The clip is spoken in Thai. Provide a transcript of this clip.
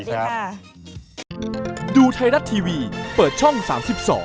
สวัสดีค่ะ